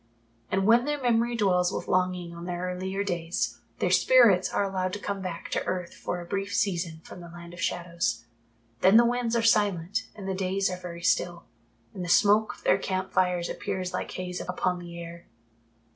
And when their memory dwells with longing on their earlier days, their spirits are allowed to come back to earth for a brief season from the Land of Shadows. Then the winds are silent and the days are very still, and the smoke of their camp fires appears like haze upon the air.